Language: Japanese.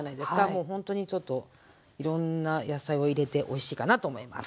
もうほんとにちょっといろんな野菜を入れておいしいかなと思います。